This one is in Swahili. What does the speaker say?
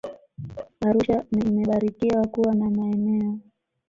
Arusha ni imebarikiwa kuwa na maeneo